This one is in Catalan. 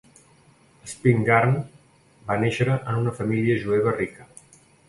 Spingarn va néixer en una família jueva rica.